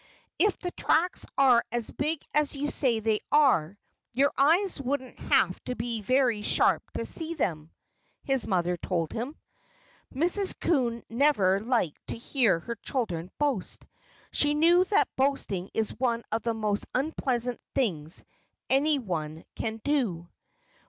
"If the tracks are as big as you say they are, your eyes wouldn't have to be very sharp to see them," his mother told him. Mrs. Coon never liked to hear her children boast. She knew that boasting is one of the most unpleasant things anyone can do.